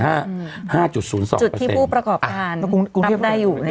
ในจุดพี่ผู้ประกอบทานตรัพย์ได้อยู่